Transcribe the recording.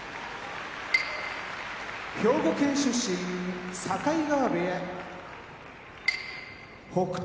兵庫県出身境川部屋北勝